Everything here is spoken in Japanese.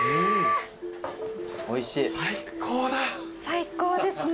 最高ですね。